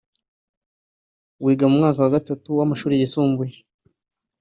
wiga mu mwaka wa Gatatu w’amashuri yisumbuye